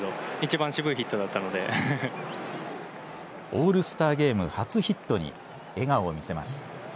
オールスターゲーム初ヒットに笑顔を見せます。